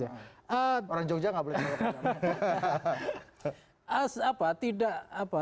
orang jogja gak boleh menyebutkan